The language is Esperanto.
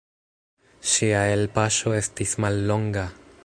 Ŝia elpaŝo estis mallonga.